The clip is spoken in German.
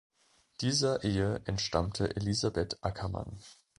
Dieser Ehe entstammte Elisabeth Ackermann.